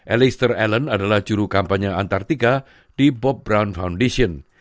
alistair allen adalah juru kampanye antartika di bob brown foundation